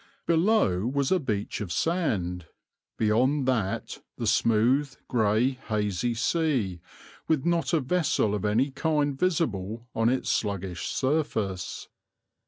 Below was a beach of sand, beyond that the smooth, grey, hazy sea with not a vessel of any kind visible on its sluggish surface.